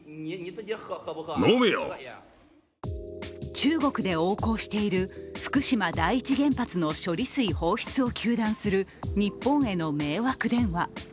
中国で横行している福島第一原発の処理水放出を糾弾する日本への迷惑電話。